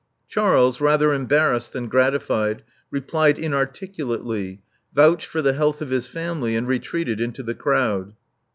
Charles, rather embarrassed than gratified, replied inarticulately; vouched for the health of his family; and retreated into the crowd.